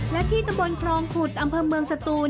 และที่ตำบลครองขุดอำเภอเมืองสตูน